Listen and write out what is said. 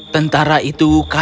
tentara itu tidak baik